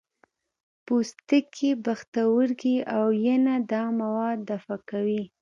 پوستکی، پښتورګي او ینه دا مواد دفع کوي.